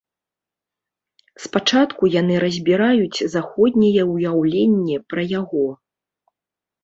Спачатку яны разбіраюць заходняе ўяўленне пра яго.